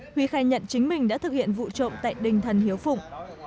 huy khai nhận chính mình đã thực hiện vụ trộm tại đình thần hiếu phụng